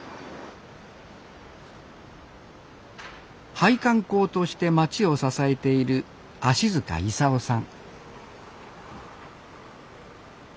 配管工として町を支えている芦勲さん